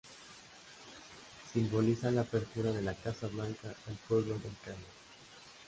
Simboliza la apertura de la Casa Blanca al pueblo americano.